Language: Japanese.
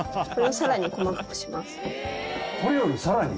これよりさらに？